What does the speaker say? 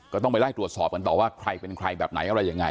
ก็ต้องไปไล่ตรวจสอบกันต่อว่าใครเป็นใครแบบไหนอะไรยังไง